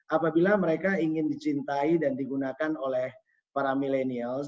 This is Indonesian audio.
apabila mereka ingin dicintai dan digunakan oleh para milenials